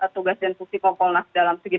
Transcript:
tugas dan fungsi kompolnas dalam segi